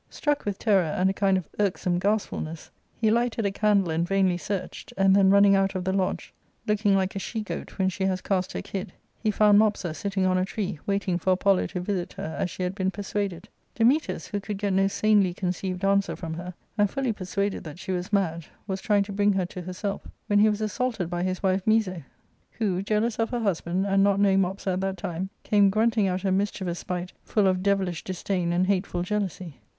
Struck with terror and a kind of irksome gastfulness, he lighted a candle and vainly searched, and then running out of the lodge, looking like a she goat when she has cast her kid, he found Mopsa sitting on a tree, waiting for Apollo to visit her as she had been persuaded. Dametas, who could get no sanely conceived answer from her, and fully persuaded that she was mad, was trying to bring her to herself, when be was assaulted by his wife Miso, who, jealous of her 4i6 ARCADIA.—Book IV. husband, and not knowing Mopsa at that time, came gnmting , y£ out her mischievous spite full of devilish disdain and hateful ^\^ [jealousy.